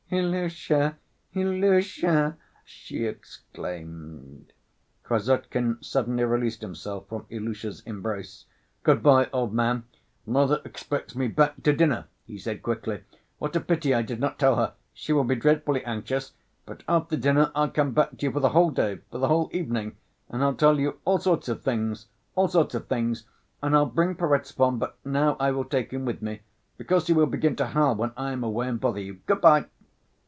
"Ilusha! Ilusha!" she exclaimed. Krassotkin suddenly released himself from Ilusha's embrace. "Good‐by, old man, mother expects me back to dinner," he said quickly. "What a pity I did not tell her! She will be dreadfully anxious.... But after dinner I'll come back to you for the whole day, for the whole evening, and I'll tell you all sorts of things, all sorts of things. And I'll bring Perezvon, but now I will take him with me, because he will begin to howl when I am away and bother you. Good‐by!"